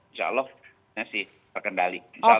insya allah masih terkendali